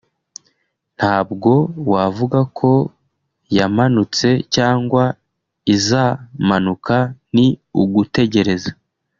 ntabwo wavuga ko yamanutse cyangwa izamanuka ni ugutegereza